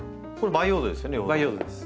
培養土です。